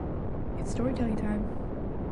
It’s Storytelling Time!